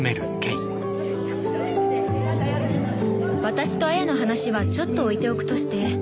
私と杏耶の話はちょっと置いておくとして。